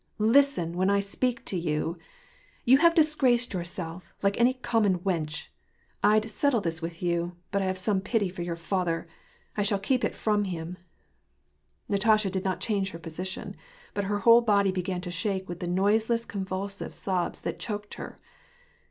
" Listen, when I speak to you ! You have disgraced yourself, like any common wench ! I'd settle this with you, but I have some pity for your father. I shall keep it from him." Natasha did not change her position, but her whole body began to shake with the noiseless convulsive sobs that choked her.